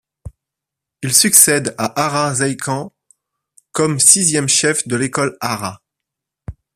Il succède à Hara Zaikan comme sixième chef de l'école Hara.